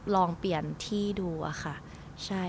ลองเปลี่ยนที่ดู